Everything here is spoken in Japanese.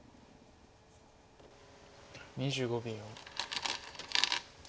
２５秒。